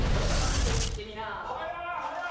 早っ早い